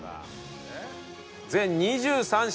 全２３品。